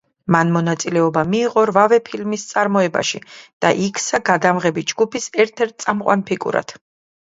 მან მონაწილეობა მიიღო რვავე ფილმის წარმოებაში და იქცა გადამღები ჯგუფის ერთ-ერთ წამყვან ფიგურად.